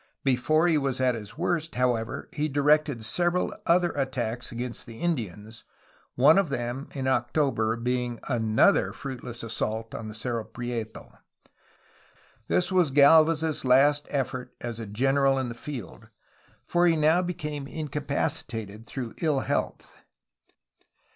Before he was at his worst, however, he directed several other attacks against the Indians, one of them, in October, being another fruitless assault on the Cerro Prieto. This was Gd^lvez's last effort as a general in the field, for he now became incapacitated through ill health.